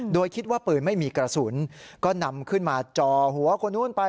โดยคิดว่าปืนไม่มีกระสุนก็นำขึ้นมาจอหัวคนนู้นไป